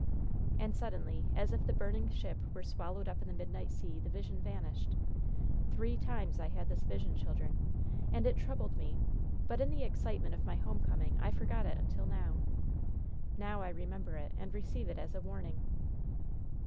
"And suddenly, as if the burning ship were swallowed up in the midnight sea, the vision vanished. Three times I had this vision, children. And it troubled me, but in the excitement of my home coming I forgot it until now. Now I remember it, and receive it as a warning."